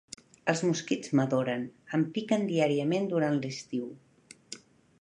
Els mosquits m'adoren, em piquen diàriament durant l'estiu.